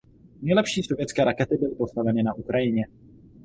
Nejlepší sovětské rakety byly postaveny na Ukrajině.